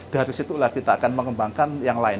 dari situlah kita akan mengembangkan yang lain